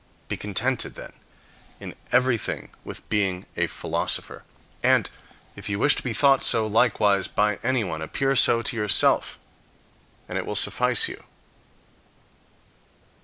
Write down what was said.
Be contented, then, in everything with being a philosopher; and, if you wish to be thought so likewise by anyone, appear so to yourself, and it will suffice you.